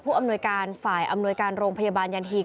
อำนวยการฝ่ายอำนวยการโรงพยาบาลยันหีก